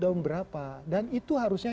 daun berapa dan itu harusnya